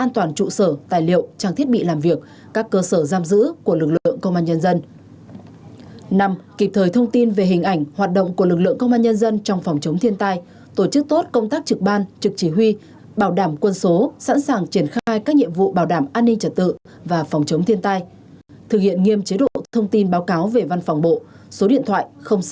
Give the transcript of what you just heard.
thực hiện nghiêm chế độ thông tin về hình ảnh hoạt động của lực lượng công an nhân dân trong phòng chống thiên tai tổ chức tốt công tác trực ban trực chỉ huy bảo đảm quân số sẵn sàng triển khai các nhiệm vụ bảo đảm an ninh trật tự và phòng chống thiên tai